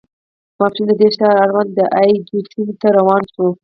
ماسپښین د دې ښار اړوند د اي جو سیمې ته روان شوو.